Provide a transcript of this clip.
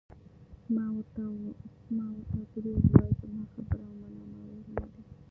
ما ورته درواغ وویل: زما خبره ومنه، ما ویلي نه دي.